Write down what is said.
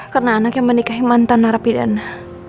karena anak yang menikahi mantan narapidana